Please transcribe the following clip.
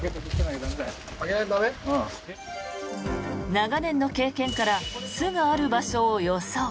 長年の経験から巣がある場所を予想。